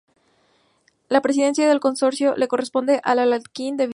La Presidencia del Consorcio le corresponde a la Alcaldía de Vigo.